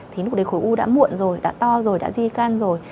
thì lúc đấy khối u đã muộn rồi đã to rồi đã di can rồi